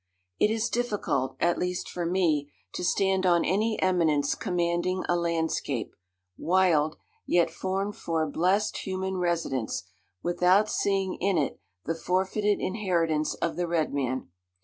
It is difficult, at least for me, to stand on any eminence commanding a landscape, wild, yet formed for a blest human residence, without seeing in it the forfeited inheritance of the red man.